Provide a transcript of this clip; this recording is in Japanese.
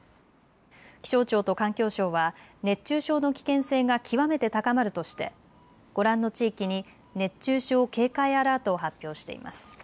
気象庁と環境省は熱中症の危険性が極めて高まるとしてご覧の地域に熱中症警戒アラートを発表しています。